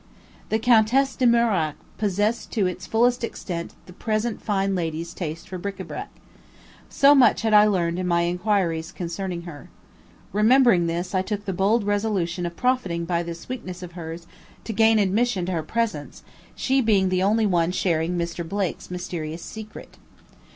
The Countess De Mirac possessed to its fullest extent the present fine lady's taste for bric a brac. So much I had learned in my inquiries concerning her. Remembering this, I took the bold resolution of profiting by this weakness of hers to gain admission to her presence, she being the only one sharing Mr. Blake's mysterious secret.